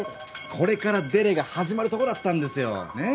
これからデレが始まるとこだったんですよねぇ？